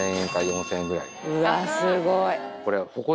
うわすごい。